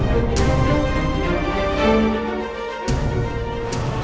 kebolehkan yang luar